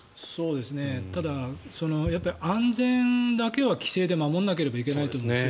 ただ、安全だけは規制で守らなければいけないと思うんです。